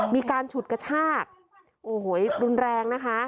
มีการฉุดกระชากโอ้โหรุนแรงนะคะ